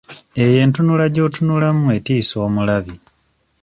Eyo entunula gy'otunulamu etiisa omulabi.